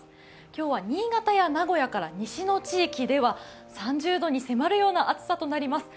今日は新潟や名古屋から西の地域では３０度に迫るような暑さとなります。